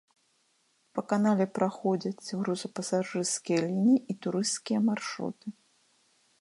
Па канале праходзіць грузапасажырскія лініі і турысцкія маршруты.